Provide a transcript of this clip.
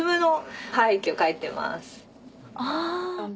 ああ。